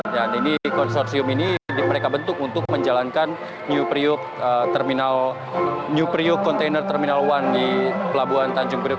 jadi konsorsium ini mereka bentuk untuk menjalankan new priok container terminal satu di pelabuhan tanjung priok